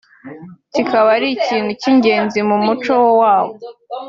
kikaba ari ikintu cy’ingenzi mu muco wo wabo